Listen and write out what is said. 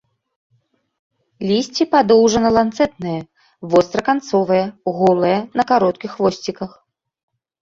Лісце падоўжана-ланцэтнае, востраканцовае, голае, на кароткіх хвосціках.